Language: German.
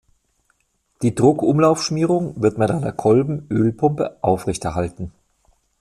Die Druckumlaufschmierung wird mit einer Kolben-Ölpumpe aufrechterhalten.